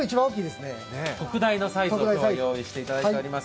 特大サイズをご用意していただいています。